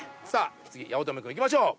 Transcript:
次八乙女君いきましょう。